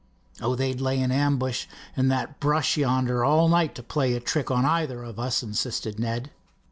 "Oh, they'd lay in ambush in that brush yonder all night to play a trick on either of us," insisted Ned.